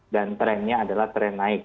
dan trendnya adalah trend naik